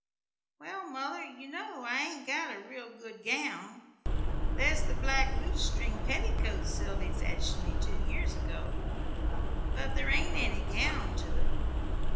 "Well, Mother, you know I ain't got a real good gown. There's the black lutestring petticoat Sylvy fetched me two years ago; but there ain't any gown to it.